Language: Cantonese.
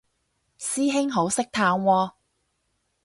師兄好識嘆喎